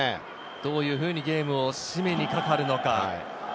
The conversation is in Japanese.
どういうふうにゲームを締めにかかるのか。